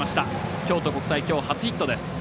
京都国際、きょう初ヒットです。